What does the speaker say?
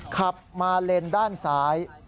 ขับมาเลนด้านซ้าย